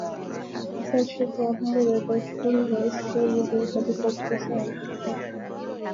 Hassan Sheikh Mohamud alimshukuru Rais Joe Biden katika ukurasa wa mtandao